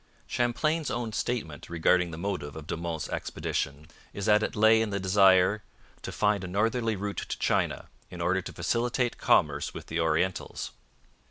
Champlain's own statement regarding the motive of De Monts' expedition is that it lay in the desire 'to find a northerly route to China, in order to facilitate commerce with the Orientals.'